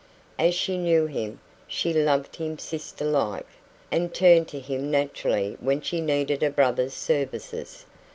As she knew him, she loved him sister like, and turned to him naturally when she needed a brother's services.